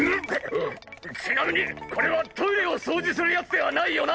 ちなみにこれはトイレを掃除するやつではないよな？